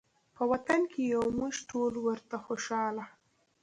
په وطن کې یو موږ ټول ورته خوشحاله